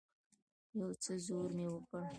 يو څه زور مې وکړ.